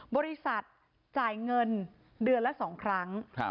บริษัทจ่ายเงินเดือนละ๒ครั้ง